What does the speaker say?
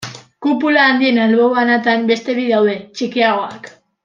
Kupula handien albo banatan beste bi daude, txikiagoak.